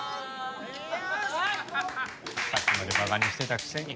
さっきまで馬鹿にしてたくせに。